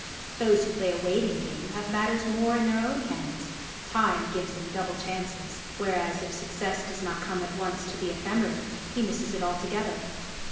Those who play a waiting game have matters more in their own hands, time gives them double chances; whereas if success does not come at once to the ephemerid he misses it altogether.